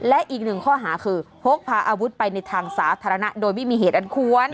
และอีกหนึ่งข้อหาคือพกพาอาวุธไปในทางสาธารณะโดยไม่มีเหตุอันควร